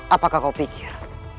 apakah kau pikir